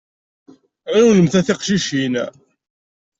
Ɣiwlemt a tiqcicin.